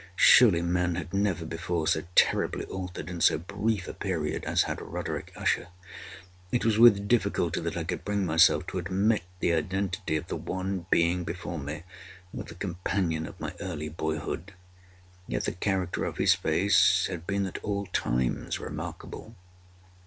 Surely, man had never before so terribly altered, in so brief a period, as had Roderick Usher! It was with difficulty that I could bring myself to admit the identity of the wan being before me with the companion of my early boyhood. Yet the character of his face had been at all times remarkable.